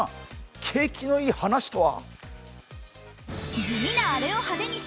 景気のいい話とは？